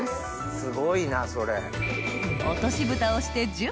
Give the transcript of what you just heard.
すごいなそれ。